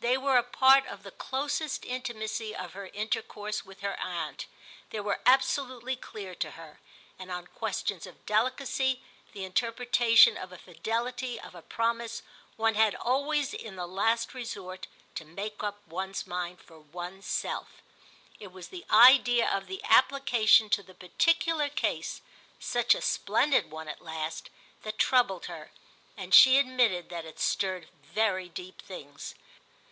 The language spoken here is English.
They were a part of the closest intimacy of her intercourse with her aunt, they were absolutely clear to her; and on questions of delicacy, the interpretation of a fidelity, of a promise, one had always in the last resort to make up one's mind for one's self. It was the idea of the application to the particular case, such a splendid one at last, that troubled her, and she admitted that it stirred very deep things.